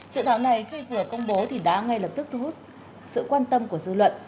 dự thảo này khi vừa công bố thì đã ngay lập tức thu hút sự quan tâm của dư luận